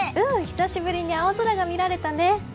久しぶりに青空が見られたね。